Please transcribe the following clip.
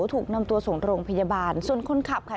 ถูกนำตัวส่งโรงพยาบาลส่วนคนขับค่ะ